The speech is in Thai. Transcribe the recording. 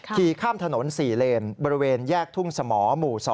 ขี่ข้ามถนน๔เลนบริเวณแยกทุ่งสมหมู่๒